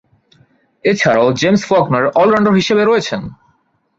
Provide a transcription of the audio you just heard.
এছাড়াও James Faulkner all rounder হিসেবে রয়েছেন।